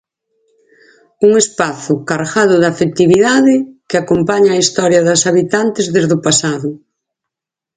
Un espazo cargado de afectividade, que acompaña a historia das habitantes desde o pasado.